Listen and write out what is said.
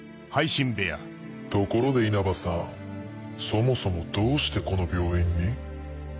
ところで因幡さんそもそもどうしてこの病院に？